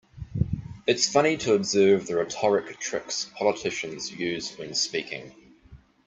It's funny to observe the rhetoric tricks politicians use when speaking.